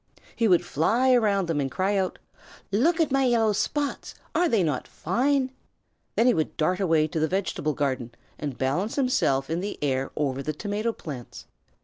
He would fly around them and cry out: "Look at my yellow spots. Are they not fine?" Then he would dart away to the vegetable garden and balance himself in the air over the tomato plants.